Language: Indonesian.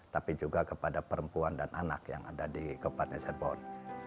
tapi juga kepada perempuan dan anak yang ada di kabupaten serbon